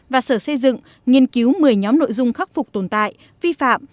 và sở xây dựng nghiên cứu một mươi nhóm nội dung khắc phục tồn tại vi phạm